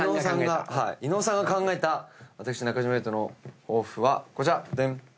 伊野尾さんが考えた私中島裕翔の抱負はこちら。